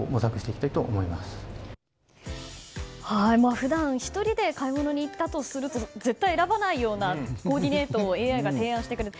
普段、１人で買い物に行ったとすると絶対に選ばないようなコーディネートをＡＩが提案してくれて。